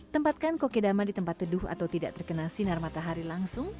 tempatkan kokedama di tempat teduh atau tidak terkena sinar matahari langsung